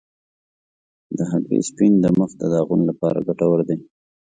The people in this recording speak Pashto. د هګۍ سپین د مخ د داغونو لپاره ګټور دی.